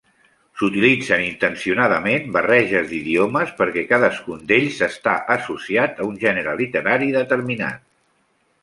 S'utilitzen intencionadament barreges d'idiomes perquè cadascun d'ells està associat a un gènere literari determinat.